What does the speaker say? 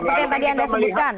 seperti yang tadi anda sebutkan